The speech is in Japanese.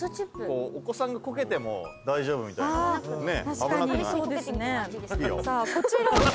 お子さんがこけても大丈夫みたいな。